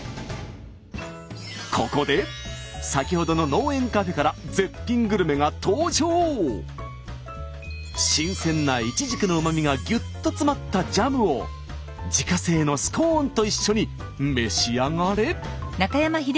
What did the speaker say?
ここで先ほどの新鮮ないちじくのうまみがぎゅっと詰まったジャムを自家製のスコーンと一緒に召し上がれ！